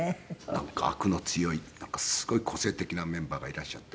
なんかアクの強いすごい個性的なメンバーがいらっしゃって。